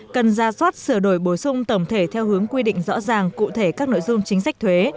cần ra soát sửa đổi bổ sung tổng thể theo hướng quy định rõ ràng cụ thể các nội dung chính sách thuế